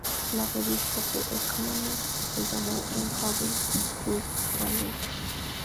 La revista The Economist le llamó ""Un Robin Hood de la ley"".